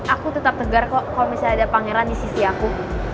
aku tetap tegar kok kalau misalnya ada pangeran di sisi aku